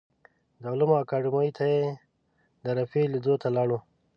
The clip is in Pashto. د علومو اکاډیمۍ ته د رفیع لیدو ته لاړو.